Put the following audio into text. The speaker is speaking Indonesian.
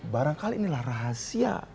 barangkali inilah rahasia